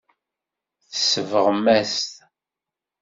Tsebɣem-as-t.